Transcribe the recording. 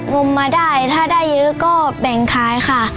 มมาได้ถ้าได้เยอะก็แบ่งขายค่ะ